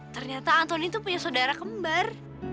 ternyata antoni tuh punya sodara kembar